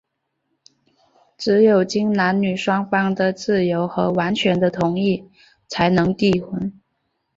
只有经男女双方的自由和完全的同意,才能缔婚。